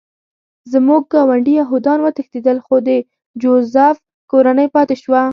زموږ ګاونډي یهودان وتښتېدل خو د جوزف کورنۍ پاتې شوه